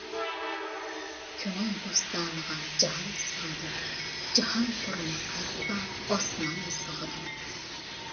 كۆڭۈل بوستانىغا جاھان سىغىدۇ، جاھان تۇرماق ھەتتا ئاسمان سىغىدۇ.